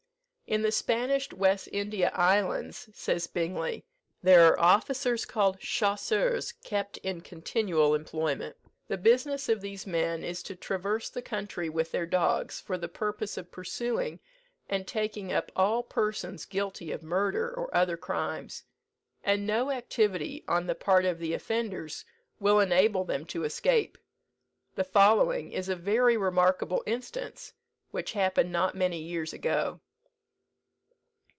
"In the Spanish West India Islands," says Bingley, "there are officers called chasseurs, kept in continual employment. The business of these men is to traverse the country with their dogs, for the purpose of pursuing and taking up all persons guilty of murder, or other crimes; and no activity on the part of the offenders will enable them to escape. The following is a very remarkable instance, which happened not many years ago.